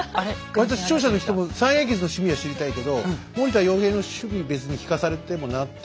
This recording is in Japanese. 割と視聴者の人も三英傑の趣味は知りたいけど森田洋平の趣味別に聞かされてもなって思ってると思うし。